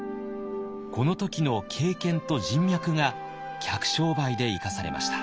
この時の経験と人脈が客商売で生かされました。